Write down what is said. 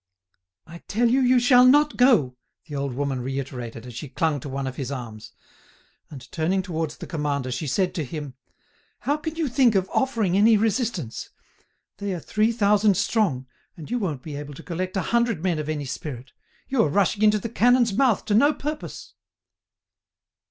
"I tell you you shall not go," the old woman reiterated, as she clung to one of his arms. And turning towards the commander, she said to him: "How can you think of offering any resistance? They are three thousand strong, and you won't be able to collect a hundred men of any spirit. You are rushing into the cannon's mouth to no purpose."